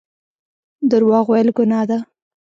درواغ ویل ګناه ده